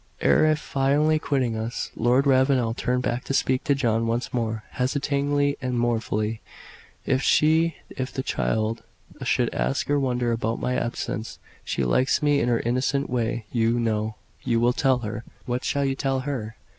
Ere finally quitting us, Lord Ravenel turned back to speak to John once more, hesitatingly and mournfully. "If she if the child should ask or wonder about my absence she likes me in her innocent way you know you will tell her What shall you tell her?"